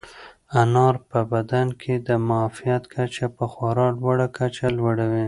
انار په بدن کې د معافیت کچه په خورا لوړه کچه لوړوي.